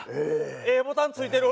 ええボタンついてる。